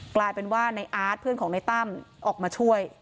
กลายเป็นว่าในอาร์ตเพื่อนของในตั้มออกมาช่วย